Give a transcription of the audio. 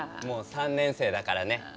もう３年生だからね。